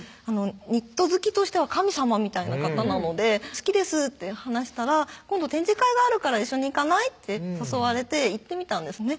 ニット好きとしては神さまみたいな方なので「好きです」って話したら「今度展示会があるから一緒に行かない？」って誘われて行ってみたんですね